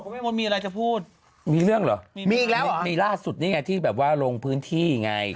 แม่มดมีอะไรจะพูดมีเรื่องเหรอมีมีอีกแล้วมีล่าสุดนี่ไงที่แบบว่าลงพื้นที่ไง